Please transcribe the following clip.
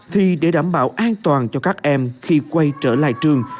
thì để đảm bảo an toàn cho các em khi quay trở lại trường